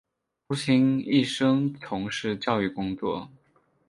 父亲一生从事教育工作。